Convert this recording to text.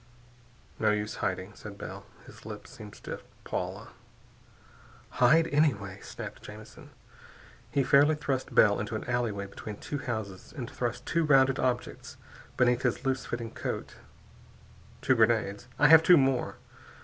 "No use hiding," said Bell. His lips seemed stiff. "Paula " "Hide anyway," snapped Jamison. He fairly thrust Bell into an alleyway between two houses and thrust two rounded objects beneath his loose fitting coat. "Two grenades. I have two more.